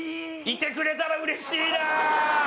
いてくれたら嬉しいな！